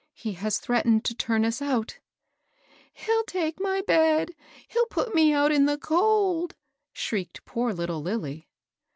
He has threatened to turn us out" —" He'll take my bed — he'll put me out in the cold !" shrieked poor little Lilly.